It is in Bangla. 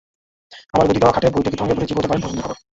আবার গদি দেওয়া খাটে বৈঠকি ঢঙে বসে চিবোতেও পারেন পছন্দের খাবার।